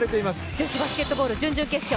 女子バスケットボール準々決勝。